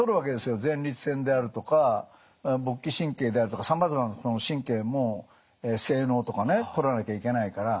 前立腺であるとか勃起神経であるとかさまざまな神経も精のうとかね取らなきゃいけないから。